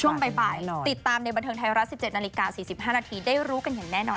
ช่วงบ่ายติดตามในบันเทิงไทยรัฐ๑๗นาฬิกา๔๕นาทีได้รู้กันอย่างแน่นอน